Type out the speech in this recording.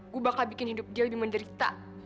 gue bakal bikin hidup dia lebih menderita